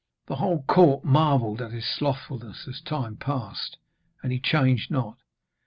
The whole court marvelled at his slothfulness as time passed and he changed not.